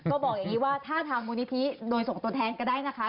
ก็บอกอย่างนี้ว่าถ้าทางมูลนิธิโดยส่งตัวแทนก็ได้นะคะ